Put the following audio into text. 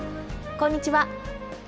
こんにちは。